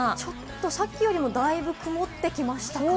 さっきよりだいぶ曇ってきましたね。